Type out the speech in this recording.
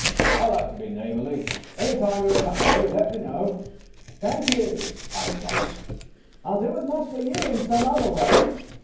I like to be neighborly. Any time you 're in a hurry, let me know." "Thank you," I replied. "I '11 do as much for you in some other way.